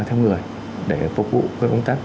theo người để phục vụ công tác